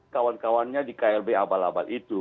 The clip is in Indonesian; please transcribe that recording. kawan kawannya di klb abal abal itu